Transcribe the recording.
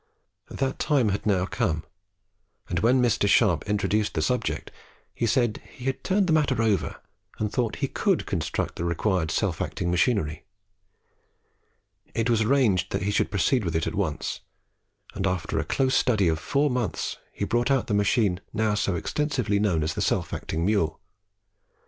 That time had now come; and when Mr. Sharp introduced the subject, he said he had turned the matter over and thought he could construct the required self acting machinery. It was arranged that he should proceed with it at once, and after a close study of four months he brought out the machine now so extensively known as the self acting mule.